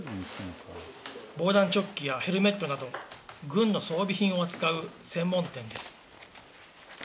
防弾チョッキやヘルメットなど、軍の装備品を扱う専門店です。